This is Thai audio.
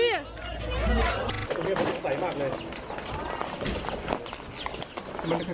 ตรงเนี่ยมันต้มใสมากเลย